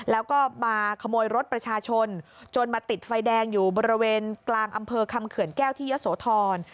แล้วก็มาขโมยรถประชาชนจนมาติดไฟแดงอยู่บริเวณกลางอำเภอคำเขื่อนแก้วที่ยะโสธร